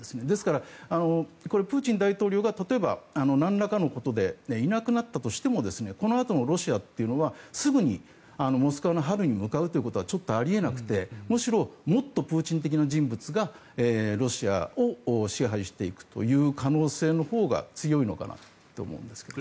ですからこれはプーチン大統領が例えば、なんらかのことでいなくなったとしてもこのあとのロシアっていうのはすぐにモスクワの春に向かうということはちょっとあり得なくてむしろもっとプーチン的な人物がロシアを支配していくという可能性のほうが強いかなと思います。